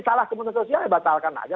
salah kementerian sosial ya batalkan aja